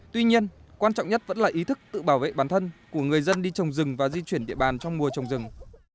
tuy nhiên quan trọng nhất vẫn là ý thức tự bảo vệ bản thân của người dân đi trồng rừng và di chuyển địa bàn trong mùa trồng rừng